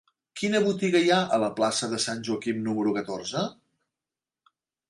Quina botiga hi ha a la plaça de Sant Joaquim número catorze?